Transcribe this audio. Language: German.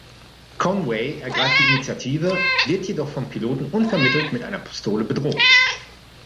Conway ergreift die Initiative, wird jedoch vom Piloten unvermittelt mit einer Pistole bedroht.